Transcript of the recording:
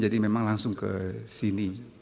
jadi memang langsung ke sini